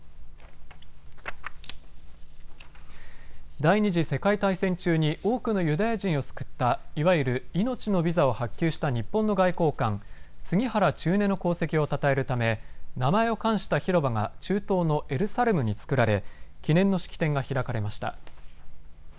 第２次世界大戦中に多くのユダヤ人を救ったいわゆる命のビザを発給した日本の外交官、杉原千畝の功績をたたえるため名前を冠した広場が中東のエルサレムに作られ記念の式典が開かれました。